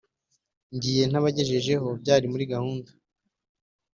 Ngiye ntabagejejeyo Byari muri gahunda